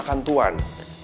jahat senjata makan tuan